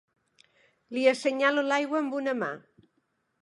Li assenyalo l'aigua amb una mà.